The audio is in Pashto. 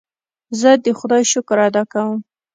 زه د خدای شکر ادا کوم.